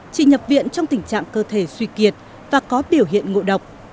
chị nhập viện trong tình trạng cơ thể suy kiệt và có biểu hiện ngộ độc